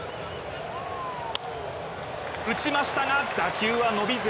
打ちましたが打球は伸びず。